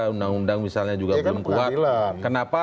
undang undang misalnya juga belum keluar